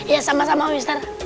ya sama sama ustaz